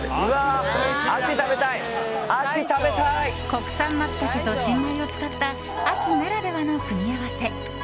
国産マツタケと新米を使った秋ならではの組み合わせ。